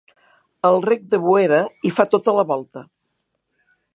El Rec de Boera hi fa tota la volta.